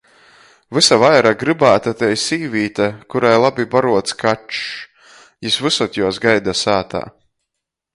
Vysu vaira grybāta tei sīvīte, kurai labi baruots kačs. Jis vysod juos gaida sātā.